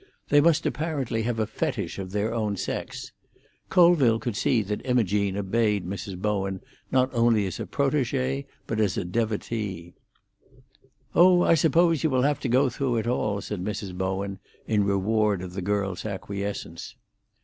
They must apparently have a fetish of their own sex. Colville could see that Imogene obeyed Mrs. Bowen not only as a protégée but as a devotee. "Oh, I suppose you will have to go through it all," said Mrs. Bowen, in reward of the girl's acquiescence.